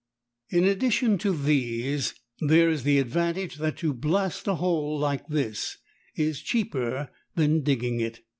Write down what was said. In addition to these there is the advantage that to blast a hole like this is cheaper than digging it.